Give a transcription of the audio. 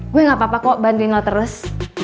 gue gak apa apa kok bantuin lo terus